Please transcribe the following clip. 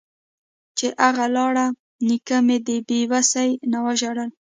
چې اغه لاړ نيکه مې د بې وسۍ نه وژړل.